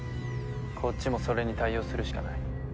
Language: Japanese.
こっちもそれに対応するしかない。